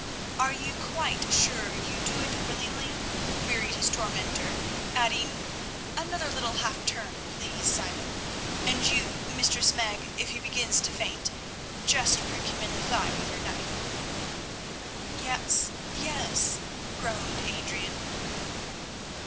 "Are you quite sure you do it willingly?" queried his tormentor, adding, "another little half turn, please, Simon; and you, Mistress Meg, if he begins to faint, just prick him in the thigh with your knife." "Yes, yes," groaned Adrian.